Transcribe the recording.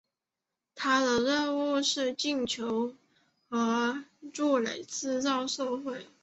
他们的任务是进球和为柱趸制造机会。